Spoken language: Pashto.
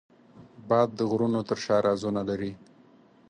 باد د غرونو تر شا رازونه لري